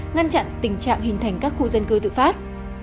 ngăn chặn tình trạng hình thành các khu dân cư tự phát